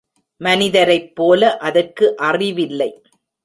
மனிதரைப்போல அதற்கு அறிவில்லை.